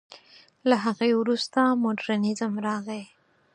له هغې وروسته مډرنېزم راغی.